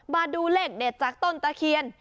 มาดูเลขเด็ดจากต้นตะเคียน